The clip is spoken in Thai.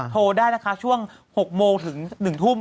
โทรได้นะคะช่วง๖โมงถึง๑ทุ่ม